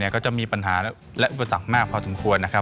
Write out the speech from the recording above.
ก็จะมีปัญหาและอุตสังค์มากพอสมควร